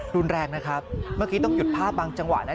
รุนแรงนะครับเมื่อกี้ต้องหยุดภาพบางจังหวะนะ